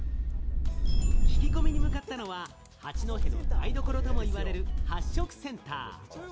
聞き込みに向かったのは八戸の台所ともいわれる八食センター。